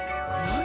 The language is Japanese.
何！？